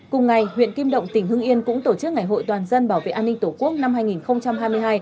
cùng ngày huyện kim động tỉnh hưng yên cũng tổ chức ngày hội toàn dân bảo vệ an ninh tổ quốc năm hai nghìn hai mươi hai